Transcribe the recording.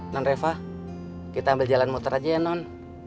non reva kita ambil jalan muter aja ya non